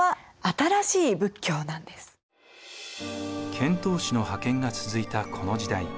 遣唐使の派遣が続いたこの時代。